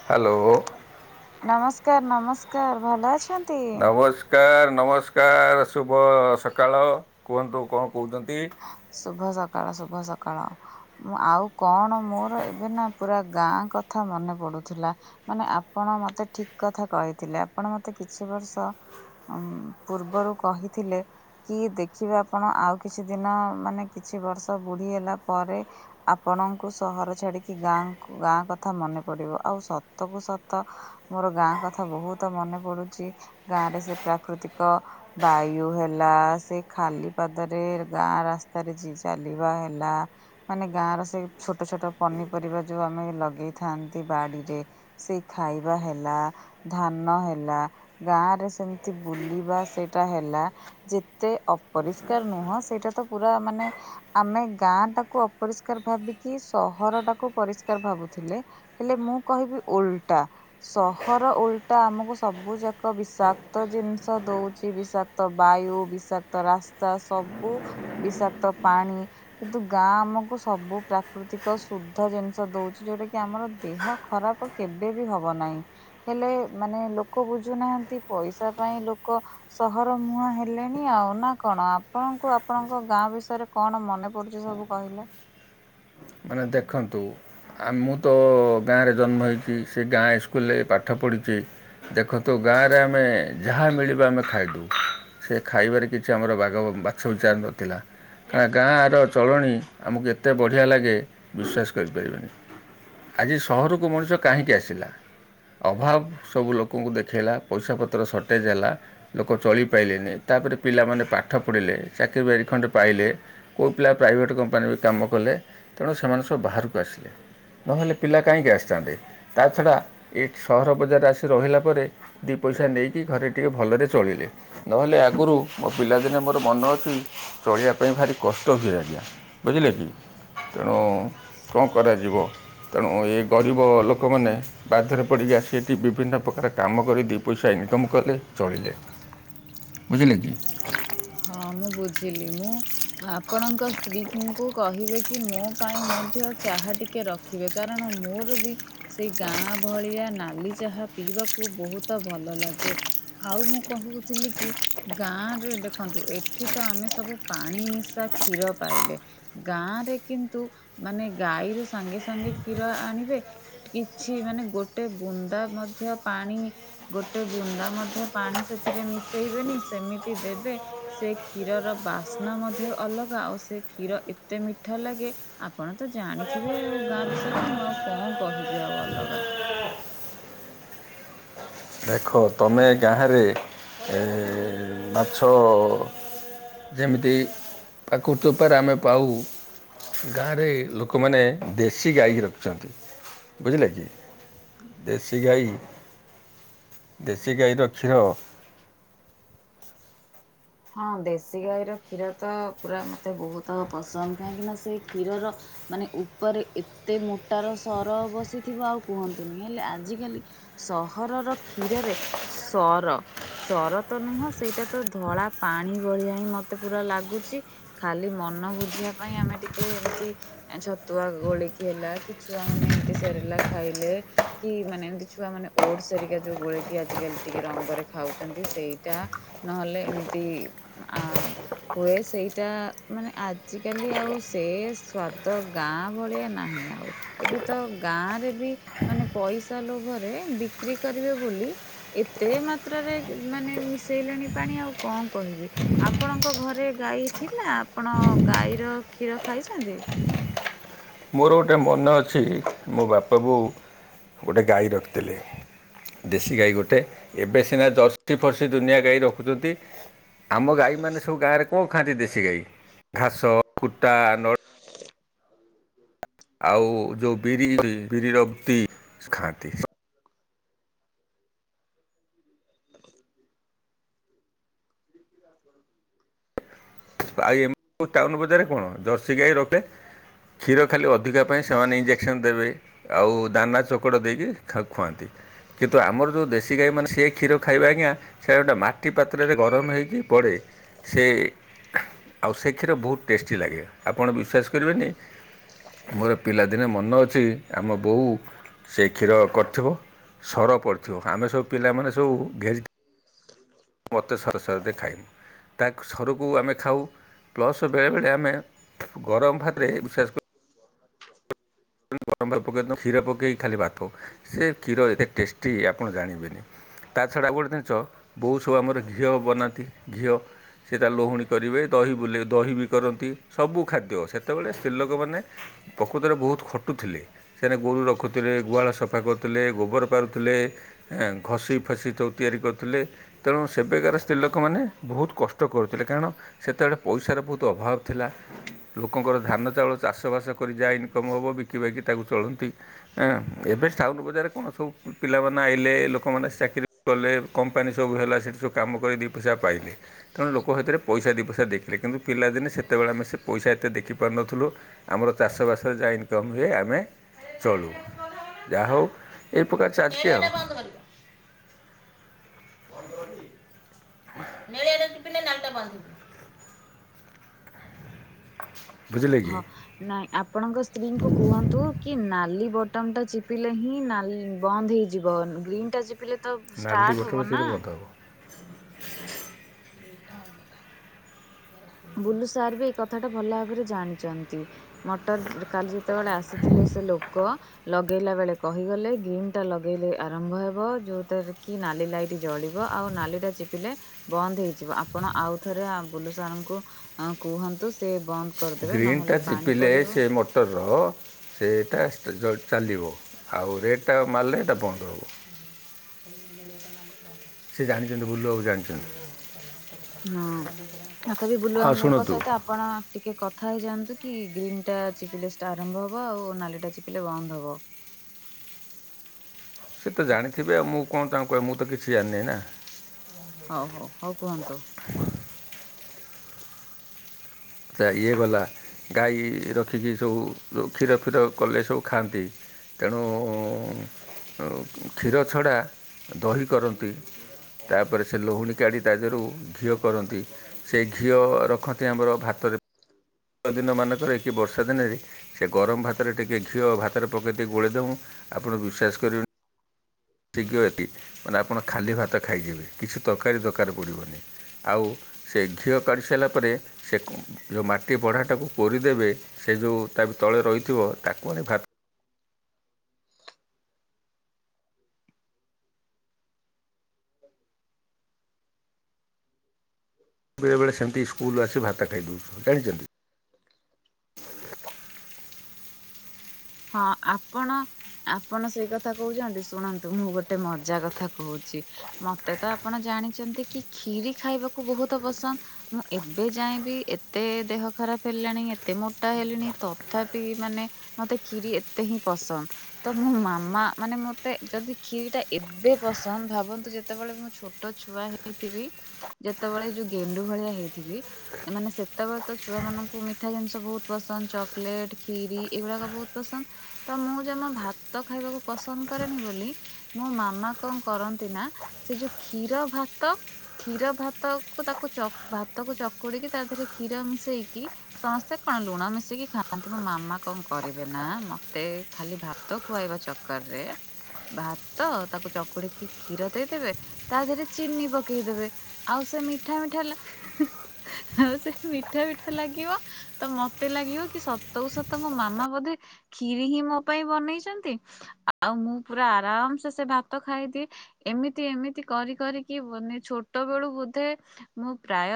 Hello. ନମସ୍କାର, ନମସ୍କାର। ଭଲ ଅଛନ୍ ନମସ୍କାର, ନମସ୍କାର, ଶୁଭ ସକାଳ। କୁହନ୍ତୁ, କଣ କହୁଛନ୍ତି? ଶୁଭ ସକାଳ, ଶୁଭ ସକାଳ। ମୁଁ ଆଉ କଣ ମୋର, ଏବେ ନା ପୁରା ଗାଁ କଥା ମନେ ପଡୁଥିଲା। ମାନେ ଆପଣ ମତେ ଠିକ୍ କଥା କହିଥିଲେ। ଆପଣ ମତେ କିଛି ବର୍ଷ ଉମ୍ ପୂର୍ବରୁ କହିଥିଲେ, କି ଦେଖିବେ ଆପଣ ଆଉ କିଛି କିଛି ଦିନ, ମାନେ କିଛି ବର୍ଷ ବୁଢ଼ୀ ହେଲା ପରେ ଆପଣଙ୍କୁ ସହର ଛାଡିକି ଗାଁକୁ ଗାଁ କଥା ମନେ ପଡିବ। ଆଉ ସତ କୁ ସତ ମୋର ଗାଁ କଥା ବହୁତ ମନେ ପଡୁଚି। ଗାଁରେ ସେ ପ୍ରାକୃତିକ ବାୟୁ ହେଲା, ସେ ଖାଲି ପାଦରେ ଗାଁ ରାସ୍ତାରେ ଯି ଚାଲିବା ହେଲା ମାନେ ଗାଁର ସେଇ ଛୋଟ ଛୋଟ ପନିପରିବା ଯୋଉ ଆମେ ଲଗେଇଥାନ୍ତି ବାଡିରେ ସେ ଖାଇବା ହେଲା ଧାନ ହେଲା, ଗାଁ ରେ ସେମିତି ବୁଲିବା ସେଇଟା ହେଲା ଯେତେ ଅପରିଷ୍କାର ନୁହଁ ସେଇଟା ତ ପୁରା ମାନେ ଆମେ ଗାଁ ଟାକୁ ଅପରିଷ୍କାର ଭାବିକି ସହର ଟାକୁ ପରିଷ୍କାର ଭାବୁଥିଲେ ହେଲେ ମୁଁ କହିବି ଓଲଟା। ସହର ଓଲଟା ଆମକୁ ସବୁଯାକ ବିଷାକ୍ତ ଜିନିଷ ଦଉଛି ବିଷାକ୍ କ୍ତ ବାୟୁ, ବିଷାକ୍ତ ରାସ୍ତା, ସବୁ ବିଷାକ୍ତ ପାଣି କିନ୍ତୁ ଗାଁ ଆମକୁ ସବୁ ପ୍ରାକୃତିକ ଶୁଦ୍ଧ ଜିନିଷ ଦଉଛି ଯୋଉଟା କି ଆମର ଦେହ ଖରାପ କେବେ ବି ହବ ନାହିଁ। ହେଲେ ମାନେ ଲୋକ ବୁଝୁନାହାନ୍ତି। ପଇସା ପାଇଁ ଲୋକ ସହର ମୁହାଁ ହେଲେଣି ଆଉ। ନା କଣ ଆପଣଙ୍କୁ ଆପଣଙ୍କ ଗାଁ ବିଷୟରେ କଣ ମନେ ପଡ଼ୁଛି ସବୁ କହିଲେ? ମାନେ ଦେଖନ୍ତୁ ଆ ମୁଁ ତ ଗାଁରେ ଜନ୍ମ ହୋଇଛି ସେ ଗାଁ ଇସ୍କୁଲରେ ପାଠ ପଢ଼ିଛି। ଦେଖନ୍ତୁ ଗାଁରେ ଆମେ ଯାହା ମିଳିବା ଆମେ ଖାଇଦଉ। ସେ ଖାଇବାରେ କିଛି ଆମର ବାଗ ବାଛ ବିଚାର ନଥିଲା। [unintelligible] ଗାଁର ଚଳଣି ଆମକୁ ଏତେ ବଢ଼ିଆ ଲାଗେ ବିଶ୍ୱାସ କରିପାରିବେନି। ଆଜି ସହରକୁ ମଣିଷ କାହିଁକି ଆସିଲା? ଅଭାବ ସବୁ ଲୋକଙ୍କୁ ଦେଖାଇଲା, ପଇସା ପତ୍ର ସର୍ଟେଜ୍ ହେଲା ଲୋକ ଚଳି ପାଇଲେନି, ତାପରେ ପିଲାମାନେ ପାଠ ପଢ଼ିଲେ, ଚାକିରି ବାକିରି ଖଣ୍ଡେ ପାଇଲେ। କେଉ ପିଲା ପ୍ରାଇଭେଟ୍ କମ୍ପାନୀରେ ବି କାମ କଲେ ତେଣୁ ସେମାନେ ସବୁ ବାହାରକୁ ଆସିଲେ। ନହେଲେ ପିଲା କାହିଁକି ଆସିଥାନ୍ତେ? ତା ଛଡ଼ା ଏ ସହର ବଜାରରେ ଆସି ରହିଲା ପରେ ଦି ପଇସା ନେଇକି ଘରେ ଟିକେ ଭଲରେ ଚଳିଲେ। ନହେଲେ ଆଗରୁ ପିଲାଦିନେ ମୋର ମନ ଅଛି ଚଳିବା ପାଇଁ ଭାରି କଷ୍ଟ ହୁଏ ଆଜ୍ଞା। ବୁଝିଲେ କି? ତେଣୁ କଣ କରାଯିବ, ତେଣୁ ଏ ଗରିବ ଲୋକମାନେ ବାଧ୍ୟରେ ପଡ଼ିକି ଅସି ଏଠି ବିଭିନ୍ନ ପ୍ରକାର କାମ କରି ଦି ପଇସା ଇନକମ୍ କଲେ ଚଳିଲେ। ବୁଝିଲେ କିି? ହଁ ମୁଁ ବୁଝିଲି। ମୁଁ ଆପଣଙ୍କ ସ୍ତ୍ରୀଙ୍କୁ କହିବେ କି ମୋ ପାଇଁ ମଧ୍ୟ ଚାହା ଟିକେ ରଖି ଖିବେ, କାରଣ ମୋର ବି ସେଇ ଗାଁ ଭଳିଆ ନାଲି ଚାହା ପିଇବାକୁ ବହୁତ ଭଲ ଲାଗେ। ଆଉ ମୁଁ କହୁଚିଲି କି ଗାଁ ରେ ଦେ ଖନ୍ତୁ ଏଠିତ ଆମେ ସବୁ ପାଣି ମିଶା କ୍ଷୀର ପାଇଲେ। ଗାଁ ରେ କିନ୍ତୁ ମାନେ ଗାଈରୁ ସାଙ୍ଗେ ସାଙ୍ଗେ କ୍ଷୀର ଆଣିବେ କିଛି ମାନେ ଗୋଟେ ବୁନ୍ଦା ମଧ୍ୟ ପାଣି ଗୋଟେ ବୁନ୍ଦା ମଧ୍ୟ ପାଣି ସେଥିରେ ମିଶେଇବେନି ସେମିତି ଦେବେ ସେ କ୍ଷୀରର ବାସ୍ନା ମଧ୍ୟ ଅଲଗା ଆଉ ସେ କ୍ଷୀର ଏତେ ମିଠା ଲାଗେ ଆପଣ ତ ଜାଣିଥିବେ ଆଉ ଗାଁ ବିଷୟରେ ମୁଁ ଆଉ କଣ କହିବି ଆଉ ଅଲଗା। ଦେଖ ତମେ ଗାଁରେ ଏ ମାଛ ଯେମିତି ଆଖୁ ଚୋପାରେ ଆମେ ପାଉ ଗାଁରେ ଲୋକମାନେ ଦେଶୀ ଗାଈକି ରଖୁଛନ୍ତି। ବୁଝିଲେ କି? ଦେଶୀ ଗାଈ ଦେଶୀ ଗାଈର କ୍ଷୀର ହଁ ଦେଶୀ ଗାଈର କ୍ଷୀରତ ପୁରା ମତେ ବହୁତ ପସନ୍ଦ କାହିଁକିନା ସେ କ୍ଷୀରର ମାନେ ଉପରେ ଏତେ ମୋଟାର ସର ବସିଥିବ ଆଉ କୁହନ୍ତୁନି। ହେଲେ ଆଜିିକାଲି ସହରର କ୍ଷୀରରେ ସର, ସର ତ ନୁହଁ ସେଇଟାତ ଧଳା ପାଣି ଭଳିଆ ହିଁ ମତେ ପୁରା ଲାଗୁଛି। ଖାଲି ମନ ବୁଝିବା ପାଇଁ ଆମେ ଟିକେ ଏମତି ଆଁ ଛତୁଆ ଗୋଳିକି ହେଲା, କି ଛୁଆ ମାନେ ଏମିତି ସେରେଲାକ ଖାଇଲେ କି ମାନେ ଏମିତି ଛୁଆ ମାନେ ଓଡ୍ସ୍ ହେରିକା ଯୋଉ ଗୋଳେଇକି ଆଜିକାଲି ଟିକେ ରଙ୍ଗରେ ଖାଉଛନ୍ତି ସେଇଟା ନହେଲେ ଏମିତି ଆଁ ହୁଏ ସେଇଟା ମାନେ ଆଜିକାଲି ଆଉ ସେ ସ୍ଵାଦ ଗାଁ ଭଳିଆ ନାହିଁ ହିଁ ଆଉ ଏବେ ତ ଗାଁରେ ବି ମାନେ ପଇସା ଲୋଭରେ ବିକ୍ରି କରିବେ ବୋଲି ଏତେ ମାତ୍ରାରେ ଏ ମାନେ ମିଶେଇଲେଣି ପାଣି ଆଉ କଣ କହିବି। ଆପଣଙ୍କ ଘରେ ଗାଈ ଥିଲା ଆପଣ ଗାଈର କ୍ଷୀର ଖାଇଛନ୍ତି? ମୋର ଗୋଟେ ମନେ ଅଛି ମୋ ବାପାବୋଉ ଗୋଟେ ଗାଈ ରଖିଥିଲେ। ଦେଶୀ ଗାଈ ଗୋଟେ ଏବେ ସିନା ଜର୍ସି ଫର୍ସି ଦୁନିଆ ଗାଈ ରଖୁଚନ୍ତି ଆମ ଗାଈମାନେ ସବୁ ଗାଁରେ କଣ ଖାଆନ୍ତି ଦେଶୀ ଗାଈ ଘାସ, କୁଟା, ନ ଆଉ ଯୋଉ ତି ବିରି ବିରିର ତି ଖାଆନ୍ତି। [unintelligible] [unintelligible] ଆଉ ଏମ୍ ଟାଉନ ବଜାରେ କଣ ଜର୍ସି ଗାଈ ରଖଲେ କ୍ଷୀର ଖାଲି ଅଧିକା ପାଇଁ ସେମାନେ ଇଞ୍ଜେକ୍ସନ୍ ଦେବେ। ଆଉ ଦାନା ଚୋକଡ଼ ଦେଇକି ଖା-ଖୁଆନ୍ତି। କିନ୍ତୁ ଆମର ଯୋଉ ଦେଶୀ ଗାଈମାନେ ସେ କ୍ଷୀର ଖାଇବେ ଆଜ୍ଞା ସେଟା ଗୋଟେ ମାଟି ପାତ୍ରରେ ଗରମ ହେଇକି ପଡ଼େ ସେ ଆଉ ସେ କ୍ଷୀର ବୋହୁତ ଟେଷ୍ଟି ଲାଗେ ଆପଣ ବିଶ୍ୱାସ କରିବେନି ମୋର ପିଲାଦିନେ ମନ ଅଛି ଆମ ବୋଉ ସେ କ୍ଷୀର କରିଥିବ ସର ପଡ଼ିଥିବ ଆମେ ସବୁ ପିଲାମାନେ ସବୁ ଘେରି [unintelligible] ମତେ ସର ସର ଦେ ଖାଇମି। ତାକୁ ସରକୁ ଆମେ ଖାଉ ପ୍ଲସ୍ ବେଳେବେଳେ ଆମେ ଗରମ ଭାତରେ ବିଶ୍ୱାସ କ ଗରମ ଭାତ ପକେଇଦ କ୍ଷୀର ପକେଇ ଖାଲି ଭାତ ସେ କ୍ଷୀର ଏତେ ଟେଷ୍ ଟି ଆପଣ ଜାଣିବେନି ତା ଛଡ଼ା ଆଉ ଗୋଟେ ଜିନିଷ ବୋଉ ସବୁ ଆମର ଘିଅ ବନାନ୍ତି ଘିଅ ସେ ତା ଲହୁଣୀ କରିବେ ଦହି ବୁଲେ ଦହି ବି କରନ୍ତି ସବୁ ଖାଦ୍ୟ ସେତେବେଳେ ସ୍ତ୍ରୀଲୋକମାନେ ପ୍ରକୁତରେ ବୋହୁତ୍ ଖଟୁଥିଲେ ସେମାନେ ଗୋରୁ ରଖୁଥିଲେ। ଗୁହାଳ ସଫା କରୁଥୁଲେ, ଗୋବର ପାରୁଥୁଲେ, ଏଁ ଘଷିଫସି ତ ତିଆରି କରୁଥୁଲେ। ତେଣୁ ସେବେକାର ସ୍ତ୍ରୀ ଲୋକମାନେ ବୋହୁତ୍ କଷ୍ଟ କରୁଥୁଲେ କାରଣ ସେତେବେଳେ ପଇସାର ବୋହୁତ ଅଭାବ ଥିଲା। ଲୋକଙ୍କର ଧାନ ଚାଉଳ ଚାଷବାସ କରି ଯାହା ଇନକମ୍ ହବ ବିକିବାକି ତାକୁ ଚଳନ୍ତି। ହଁ ଏବେ ଟାଉନ ବଜାରରେ କଣ ସବୁ ପିଲାମାନେ ଆଇଲେ ଲୋକମାନେ ଚାକିରି କଲେ କମ୍ପାନୀ ସବୁ ହେଲା ସେଇଠି ସବୁ କାମ କରି ଦିଇ ପଇସା ପାଇଲେ। ତେଣୁ ଲୋକ ହେଥିରେ ପଇସା ଦିଇ ପଇସା ଦେଖିଲେ କିନ୍ତୁ ପିଲାଦିନେ ସେତେବେଳେ ଆମେ ସେ ପଇସା ଏତେ ଦେଖି ପାରୁନଥିଲୁ। ଆମର ଚାଷବାସରେ ଯାହା ଇନ୍ କମ୍ ହୁଏ ଆମେ ଚଳୁ ଯାହୋଉ ଏ ପ୍ରକାର ଚାଲଚି ଆଉ। ବାନ୍ଧିବ [unintelligible] ବୁଝିଲେ? କି ହଁ। ନାଇଁ ଆପଣଙ୍କ ସ୍ତ୍ରୀଙ୍କୁ କୁହନ୍ତୁ କି ନାଲି ବଟନଟା ଚିପିଲେ ହିଁ ନାଲ ବନ୍ଦ ହେଇଯି ଯିବ ଗ୍ରୀନଟା ଚିପିଲେ ତ ନାଲି ଷ୍ଟାର୍ଟ ବଟନ ହବନା। ସେଠି ବନ୍ଦ ହେବ ବୁଲୁ ସାର୍ ବି ଏଇ କଥାଟା ଭଲ ଭାବରେ ଜାଣିଚନ୍ତି। ମଟର କାଲି ଯେତେବେଳେ ଆସିଥିଲେ ସେ ଲୋକ ଲଗେଇଲା ବେଳେ କହିଗଲେ ଗ୍ରୀନଟା ଲଗେଇଲେ ଆରମ୍ଭ ହେବ ଯୋଉ ତାର କି ନାଲି ଲାଇଟ୍ ଜଳିବ ଆଉ ନାଲିଟା ଚିପିଲେ ବନ୍ଦ ହେଇଯିବ ଆପଣ ଆଉଥରେ ଆ ବୁଲୁ ସାରଙ୍କୁ ଅ କୁହନ୍ତୁ ସେ ବନ୍ଦ କରିଦେବେ ନହେଲେ ପାଣି ପଡିବ। ଏ ରହ ସେଇଟା ସ୍ ଯୋଉ ଚାଲିବ ଆଉ ରେଡଟା ମାରିଲେ ଏଟା ବନ୍ଦ ହବ। ସିଏ ଜାଣିଚନ୍ତି ବୁଲିବାକୁ ଜାଣିଚନ୍ତି। ହଁ ତଥାପି ହଁ ବୁଲୁବାବୁଙ୍କ ଶୁଣନ୍ତୁ ସହିତ ଆ ଆପଣ ଟିକେ କଥା ହେଇଯାଆନ୍ତୁ କି ଗ୍ରୀନ୍ ଟା ଚିପିଲେ ସେଟା ଆରମ୍ଭ ହବ ଆଉ ନାଲି ଟା ଚିପିଲେ ବନ୍ଦ ହବ। ସେଏ ତ ଜାଣିଥିବେ ଆଉ ମୁଁ କଣ ତାଙ୍କୁ କହିବି ମୁଁ ତ କିଛି ଜାଣିନେଇ ନା। ହଉ ହଉ ହଉ କୁହନ୍ତୁ। ତା ଇଏ ଗଲା ଗାଈ ରଖିକି ସବୁ ଯୋଉ କ୍ଷୀର ଫିର କଲେ ସବୁ ଖାଆନ୍ତି। ତେଣୁ ଉଁ କ୍ଷୀର ଛଡ଼ା ଦହି କରନ୍ତି। ତା ପରେ ସେ ଲହୁଣୀ କାଢ଼ି ତା ଦେହରୁ ଘିଅ କରନ୍ତି। ସେ ଘିଅ ରଖନ୍ତି ଆମର ଭା ତ ଦିନ ମାନଙ୍କରେ କିି ବର୍ଷା ଦିନରେ ସେ ଗରମ ଭାତରେ ଟିକିଏ ଘିଅ ଭାତରେ ପକେଇ ଦେ ଗୋଳିଇ ଦେମୁ ଆପଣ ବିଶ୍ୱାସ କରିବେନି ତିିି କହିବ ତୀକି ମାନେ ଆପଣ ଖାଲି ଭାତ ଖାଇଯିବେ କିଛି ତରକାରୀ ଦରକାର ପଡ଼ିବନି। ଆଉ ସେ ଘିଅ କାଢ଼ି ସାରିଲା ପରେ ସେ ଯୋଉ ମାଟି ଵଢ଼ାଟାକୁ କୋରିଦେବେ ସେ ଯୋଉ ତା ତଳେ ରହିଥିବ ତାକୁ ଆମେ ଭା ହ ବେଳେବେଳେ ସେମତି ସ୍କୁଲୁ ଆସି ଭାତ ଖାଇ ଦେଉ ଜାଣିଛନ୍ତି। ହଁ ଆପଣ ଆପଣ ସେଇ କଥା କହୁଛନ୍ତି ଶୁଣନ୍ତୁ ମୁଁ ଗୋଟେ ମଜା କଥା କହୁଚି। ମତେ ତ ଆପଣ ଜାଣିଛନ୍ତି କି କ୍ଷିରି ଖାଇବାକୁ ବହୁତ ପସନ୍ଦ। ମୁଁ ଏବେ ଯାଏ ବି ଏତେ ଦେହ ଖରାପ ହେଲାଣି ଏତେ ମୋଟା ହେଲିଣି ତଥାପି ମାନେ ମତେ କ୍ଷୀରି ଏତେ ହିଁ ପସନ୍ଦ। ତ ମୋ ମାମା ମାନେ ମତେ ଯଦି କ୍ଷିର ଟା ଏବେ ପସନ୍ଦ ଭାବନ୍ତୁ ଯେତେବେଳେ ମୁଁ ଛୋଟ ଛୋଟ ଛୁଆ ହେଇଥିବି ଯେତେବେଳେ ଯୋଉ ଗେଣ୍ଡୁ ଭଳିଆ ହେଇଥିବି। ମାନେ ସେତେବେଳେ ତ ଛୁଆ ମାନଙ୍କୁ ମିଠା ଜିନିଷ ବହୁତ ପସନ୍ଦ ଚକୋଲେଟ ଖ୍ରୀରି ଏଗୁଡାକ ବହୁତ ପସନ୍ଦ ତ ମୁଁ ଯେମା ଭାତ ଖାଇବାକୁ ପସନ୍ଦ କରେନି ବୋଲି ମୋ ମାମା କଣ କରନ୍ତି ନା ସେ ଯୋଉ କ୍ଷୀର ଭାତ କ୍ଷୀର ଭାତ କୁ ତାକୁ ଚ୍ ଭାତକୁ ଚକୁଡିକି ତା ଦେହରେ କ୍ଷୀର ମିଶେଇକି ସମସ୍ତେ କଣ ଲୁଣ ମିସେଇକି ଖାଆନ୍ତି ମୋ ମାମା କଣ କରେ ନା ମତେ ଖାଲି ଭାତ ଖୁଆଇବା ଚକର ରେ ଭାତ ତାକୁ ଚକୁଡିକି କ୍ଷୀର ଦେଇଦେବେ ତା ଦେହରେ ଚିନି ପକେଇଦେବେ। ଆଉ ସେ ମିଠା ମିଠା ଲା [unintelligible] ଆଉ ସେ ମିଠା ମିଠା ଲାଗିବ ତ ମତେ ଲାଗିବ କି ସତକୁ ସତ ମୋ ମାମା ବୋଧେ କ୍ଷିରି ହିଁ ମୋ ପାଇଁ ବନେଇଛନ୍ତି। ଆଉ ମୁଁ ପୁରା ଆରାମ ସେ ସେ ଭାତ ଖାଇଦିଏ। ଏମିତି ଏମିତି କରି କରିକି ନେ ଛୋଟ ବେଳୁ ବୋଧେ ମୁଁ ପ୍ରାୟ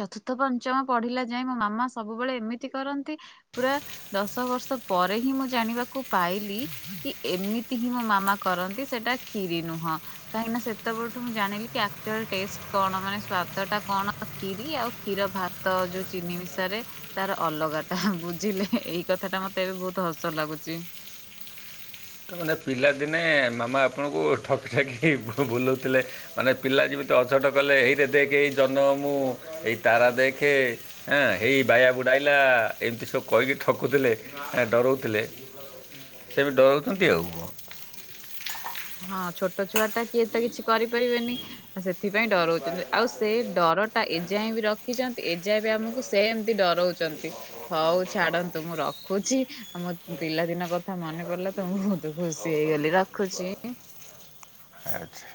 ଚତୁର୍ଥ ପଞ୍ଚମ ପଢିଲା ଯାଏ ମୋ ମାମା ସବୁବେଳେ ଏମିତି କରନ୍ତି ପୁରା ଦଶ ବର୍ଷ ପରେ ହିଁ ମୁଁ ଜାଣିବାକୁ ପାଇଲି କି ଏମିତି ହିଁ ମୋ ମାମା କରନ୍ତି ସେଟା କ୍ଷୀରିୀ ନୁହଁ। କାହିଁକି ନା ସେତେବେଳଠୁ ମୁଁ ଜାଣିଲି କି ଆକ୍ଚୁଆଲ୍ ଟେଷ୍ଟ କଣ ମାନେ ସ୍ଵାଦ ଟା କଣ। ଖିରି ଆଉ କ୍ଷୀର ଭାତ ଯୋଉ ଚିନି ମିଶା ରେ ତାର ଅଲଗା ଟା ବୁଝିଲେ ଏଇ କଥା ଟା ମତେ ଏବେ ବହୁତ ହସ ଲାଗୁଛି। ତାମାନେ ପିଲାଦିନେ ମାମା ଆପଣଙ୍କୁ ଠକି ଠାକି କି ଭୁଆଁ ବୁଲଉଥିଲେ। ମାନେ ପିଲା ଯେମିତି ଅଛଟ କଲେ ଏଇରେ ଦେଖେ ଏଇ ଜହ୍ନ ମାମୁଁ ଏଇ ତାରା ଦେଖେ ଏଁ ଏଇ ବାୟ ବୁଢା ଆଇଲା ଏମିତି ସବୁ କହିକି ଠକୁଥିଲେ ଏ ଡରଉଥିଲେ ସେ ବି ଡରଉଛନ୍ତି ଆଉ କଣ। ହଁ ଛୋଟ ଛୁଆ ଟା କିଏ ତ କିଛି କରିପାରିବେନି। ସେଥିପାଇଁ ଡରଉଛନ୍ତି ଆଉ ସେ ଡରଟା ଏଯାଏଁ ବି ରଖିଛନ୍ତି ଏଯାଏ ବି ଆମକୁ ସେମିତି ଡରଉ ଚନ୍ତି ହଉ ଛାଡନ୍ତୁ ମୁଁ ରଖୁଛି। ଆ ମୋ ପିଲାଦିନ କଥା ମନେ ପଡିଲା ତ ମୁଁ ବହୁତ ଖୁସି ହେଇଗଲି ରଖୁଛି। ଆଚ୍ଛା